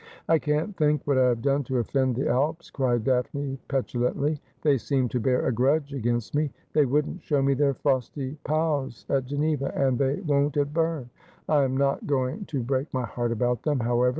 ' I can't think what I have done to ofEend the Alps,' cried Daphne petulantly. ' They seem to bear a grudge against me. They wouldn't show me their frosty pows at Geneva, and they won't at Berne. I am not going to break my heart about them, however.